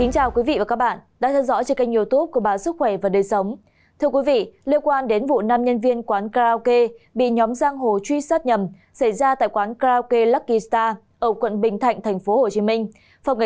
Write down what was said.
các bạn hãy đăng ký kênh để ủng hộ kênh của chúng mình nhé